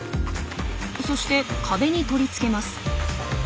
そして壁に取り付けます。